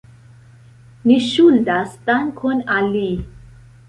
Ni ŝuldas dankon al li.